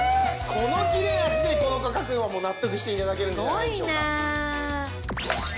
この切れ味でこの価格は納得して頂けるんじゃないでしょうか。